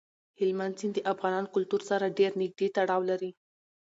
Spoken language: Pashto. هلمند سیند د افغان کلتور سره ډېر نږدې تړاو لري.